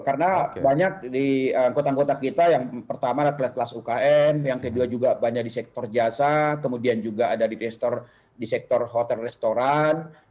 karena banyak di kota kota kita yang pertama adalah kelas ukm yang kedua juga banyak di sektor jasa kemudian juga ada di sektor hotel restoran